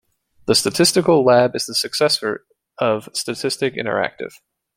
The Statistical Lab is the successor of Statistik interaktiv!